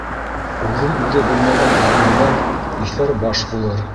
Үҙен-үҙе белмәгән үгеҙҙән иҫәр баш булыр.